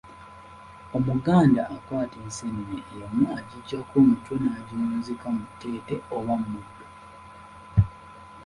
Omuganda akwata enseenene emu agiggyako omutwe n'agiwunzika mu tteete oba mu muddo.